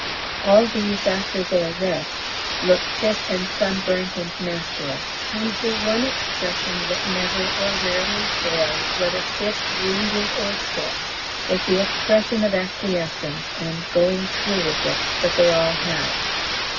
All these after their "rest" look fit and sunburnt and natural, and the one expression that never or rarely fails, whether fit, wounded, or sick, is the expression of acquiescence and going through with it that they all have.